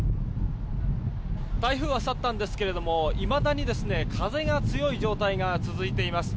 台風は去ったんですけどもいまだに風が強い状態が続いています。